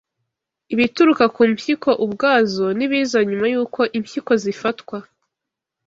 ibituruka ku mpyiko ubwazo n’ibiza nyuma y’uko impyiko zifatwa